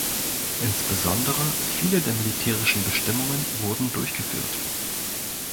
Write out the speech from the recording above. Insbesondere viele der militärischen Bestimmungen wurden durchgeführt.